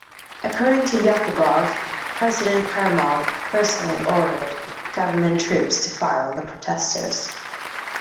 According to Yakubov, President Karimov personally ordered government troops to fire on the protestors.